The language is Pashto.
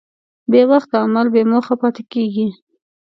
بېوخت عمل بېموخه پاتې کېږي.